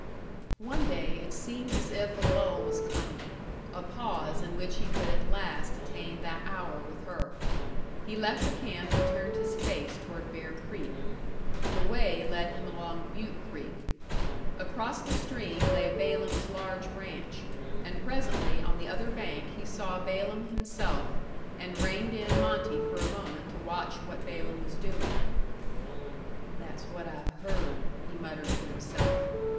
One day it seemed as if a lull was coming, a pause in which he could at last attain that hour with her. He left the camp and turned his face toward Bear Creek. The way led him along Butte Creek. Across the stream lay Balaam's large ranch; and presently on the other bank he saw Balaam himself, and reined in Monte for a moment to watch what Balaam was doing. "That's what I've heard," he muttered to himself.